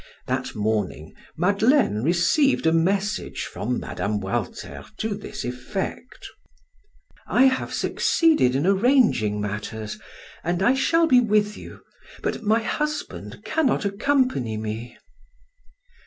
That morning Madeleine received a message from Mme. Walter to this effect: "I have succeeded in arranging matters and I shall be with you, but my husband cannot accompany me."